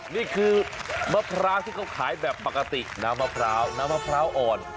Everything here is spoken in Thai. นี่คือมะพร้าวที่เขาขายแบบปกติน้ำมะพร้าวน้ำมะพร้าวอ่อน